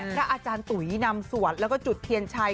พระอาจารย์ตุ๋ยนำสวดแล้วก็จุดเทียนชัย